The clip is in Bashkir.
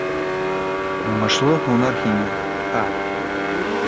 Уңышлы һунар һиңә, Каа!